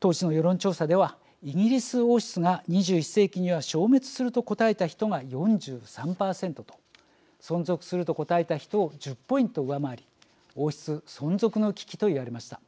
当時の世論調査では「イギリス王室が２１世紀には消滅する」と答えた人が４３％と「存続する」と答えた人を１０ポイント上回り王室存続の危機といわれました。